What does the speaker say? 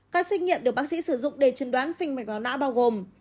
các xét nghiệm được bác sĩ sử dụng để chân đoán phình mạch máu não bao gồm